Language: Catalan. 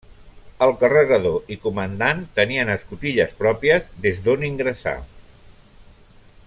El carregador i comandant tenien escotilles pròpies des d'on ingressar.